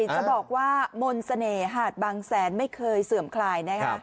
จะบอกว่ามนต์เสน่หาดบางแสนไม่เคยเสื่อมคลายนะคะ